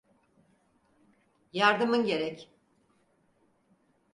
Yardımın gerek.